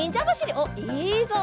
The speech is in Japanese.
おっいいぞ。